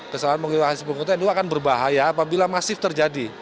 kesalahan menghilang hasil penghitungan itu akan berbahaya apabila masif terjadi